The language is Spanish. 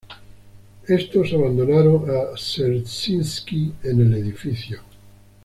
Estos abandonaron a Dzerzhinski en el edificio.